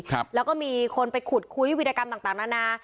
ครับแล้วก็มีคนไปขุดคุยวิธีกรรมต่างต่างนานา